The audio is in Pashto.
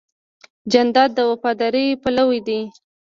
جانداد د وفادارۍ پلوی دی.